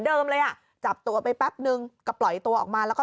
เลยอ่ะจับตัวไปแป๊บนึงก็ปล่อยตัวออกมาแล้วก็